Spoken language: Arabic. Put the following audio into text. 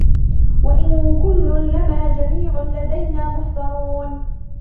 وإن كل لما جميع لدينا محضرون